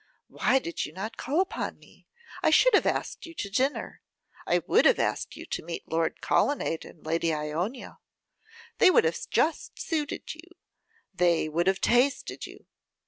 why did you not call upon me? I should have asked you to dinner. I would have asked you to meet Lord Colonnade and Lady Ionia! They would have just suited you; they would have tasted you!